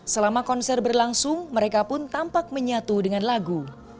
selama konser berlangsung mereka pun tampak menyatu dengan lagu